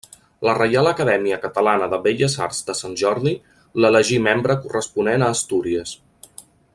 La Reial Acadèmia Catalana de Belles Arts de Sant Jordi l'elegí membre corresponent a Astúries.